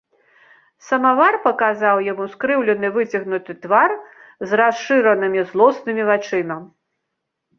Самавар паказаў яму скрыўлены выцягнуты твар з расшыранымі злоснымі вачыма.